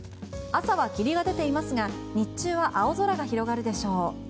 朝は霧が出ていますが日中は青空が広がるでしょう。